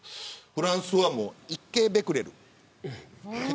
フランスは１京ベクレル。